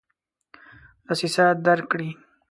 دسیسه درک کړي.